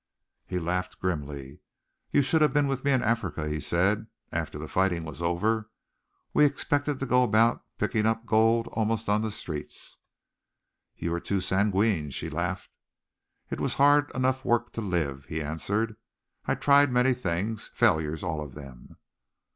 He laughed grimly. "You should have been with me in Africa," he said, "after the fighting was over. We expected to go about picking up gold almost on the streets." "You were too sanguine," she laughed. "It was hard enough work to live," he answered. "I tried many things, failures, all of them!"